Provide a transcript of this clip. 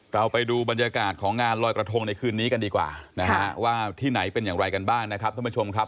เราไปดูบรรยากาศของงานลอยกระทงในคืนนี้กันดีกว่านะฮะว่าที่ไหนเป็นอย่างไรกันบ้างนะครับท่านผู้ชมครับ